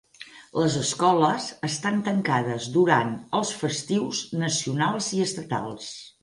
Les escoles estan tancades durant els festius nacionals i estatals.